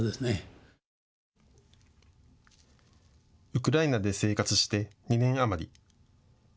ウクライナで生活して２年余り。